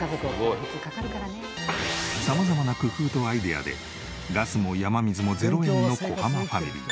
様々な工夫とアイデアでガスも山水も０円の小濱ファミリー。